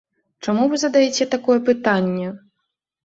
Чаму вы задаяце такое пытанне?